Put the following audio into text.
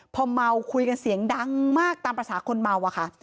พอเมาคุยกันเสียงดังมากตามภาษาคนเมาอะค่ะ